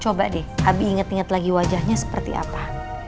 coba deh abi inget inget lagi wajahnya seperti apa